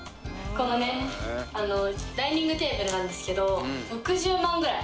このねあのダイニングテーブルなんですけど６０万ぐらい。